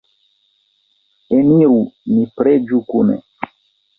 Eniru, ni preĝu kune!